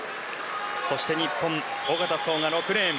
そして日本、小方颯が６レーン。